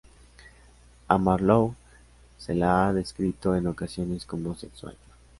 A Marlowe se le ha descrito en ocasiones como homosexual.